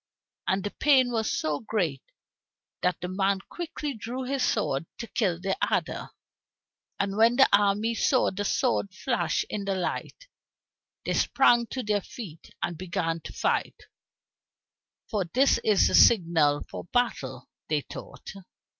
And the pain was so great, that the man quickly drew his sword to kill the adder. And when the armies saw the sword flash in the light, they sprang to their feet and began to fight, "for this is the signal for battle," they thought.